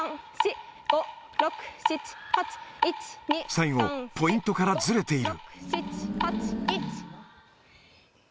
最後、ポイントからずれている。